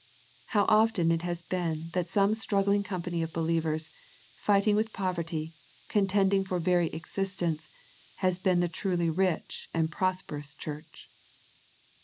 How often it has been that some struggling company of believers, fighting with poverty, contending for very existence, has been the truly rich and prosperous church.